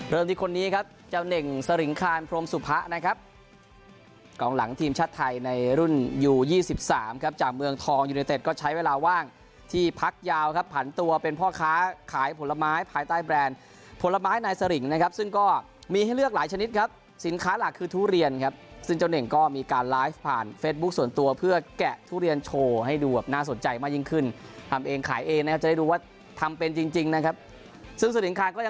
เริ่มที่คนนี้ครับเจ้าเหน่งสริงคานพรมสุภะนะครับกองหลังทีมชาติไทยในรุ่นยูยี่สิบสามครับจากเมืองทองยูนิเต็ดก็ใช้เวลาว่างที่พักยาวครับผ่านตัวเป็นพ่อค้าขายผลไม้ภายใต้แบรนด์ผลไม้นายสริงนะครับซึ่งก็มีให้เลือกหลายชนิดครับสินค้าหลักคือทุเรียนครับซึ่งเจ้าเหน่งก็มีการไล